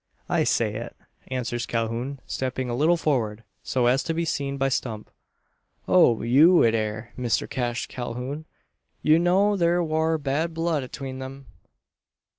"I say it," answers Calhoun, stepping a little forward, so as to be seen by Stump. "O, you it air, Mister Cash Calhoun! You know thur war bad blood atween 'em?